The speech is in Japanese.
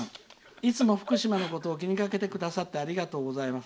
「いつも福島のことを気にかけてくださってありがとうございます」。